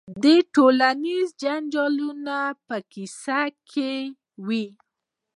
د ټولنیزو جنجالونو په کیسه کې وي.